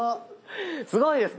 すごいです。